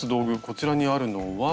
こちらにあるのは。